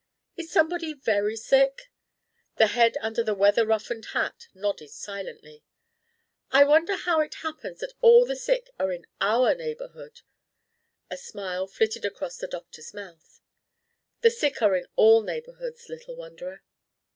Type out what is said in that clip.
"Is somebody very sick?" The head under the weather roughened hat nodded silently. "I wonder how it happens that all the sick are in our neighborhood." A smile flitted across the doctor's mouth. "The sick are in all neighborhoods, little wonderer."